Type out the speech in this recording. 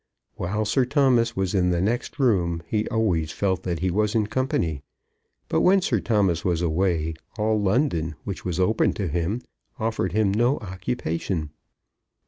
While Sir Thomas was in the next room, he always felt that he was in company, but when Sir Thomas was away, all London, which was open to him, offered him no occupation.